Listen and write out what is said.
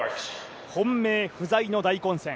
本命不在の大混戦。